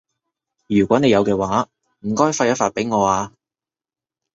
如果你有嘅話，唔該發一發畀我啊